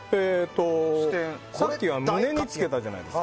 さっきは胸につけたじゃないですか。